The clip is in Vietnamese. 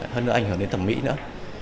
hơn nữa ảnh hưởng đến thẩm mỹ nữa